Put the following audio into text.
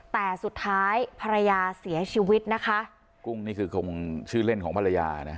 แต่สุดท้ายภรรยาเสียชีวิตนะคะกุ้งนี่คือคงชื่อเล่นของภรรยานะ